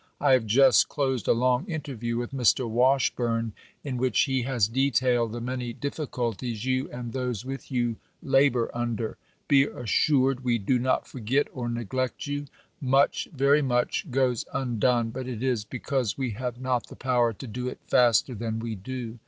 I have just closed a long interview with Mr. Washburne, in which he has detailed the many difficulties you, and those with you, labor under. Be assured we do not forget or neglect you. Much, very much, goes undone; but it is be cause we have not the power to do it faster than we do.